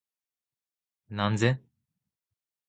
なんぜ？